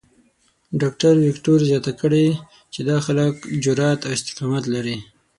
ډاکټر وېکټور زیاته کړې چې دا خلک جرات او استقامت لري.